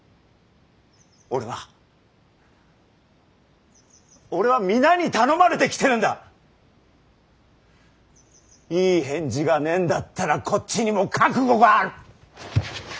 俺は俺は皆に頼まれて来てるんだ。いい返事がねえんだったらこっちにも覚悟がある。